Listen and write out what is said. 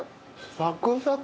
サクサク！